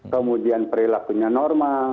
kemudian perilakunya normal